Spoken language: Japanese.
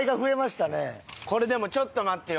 これでもちょっと待ってよ。